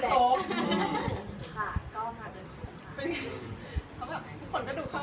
แล้วก็คืออันตรายของทุกคนก็มากันโทษ